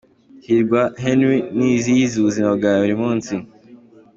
HirwaKhenry nizihiza ubuzima bwawe buri munsi.